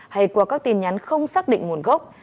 hay qua các tin nhắn không xác định nguồn gốc